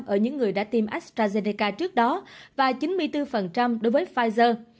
ở những người đã tiêm astrazeneca trước đó và chín mươi bốn đối với pfizer